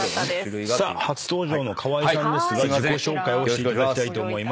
さあ初登場の河井さんですが自己紹介をしていただきたいと。